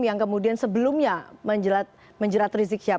yang kemudian sebelumnya menjerat ristik sihab